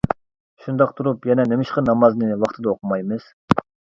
شۇنداق تۇرۇپ، يەنە نېمىشقا نامازنى ۋاقتىدا ئوقۇمايمىز؟ !